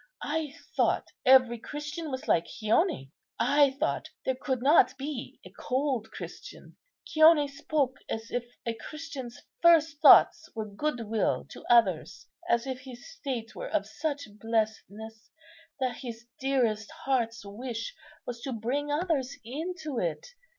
I thought every Christian was like Chione. I thought there could not be a cold Christian. Chione spoke as if a Christian's first thoughts were goodwill to others; as if his state were of such blessedness, that his dearest heart's wish was to bring others into it.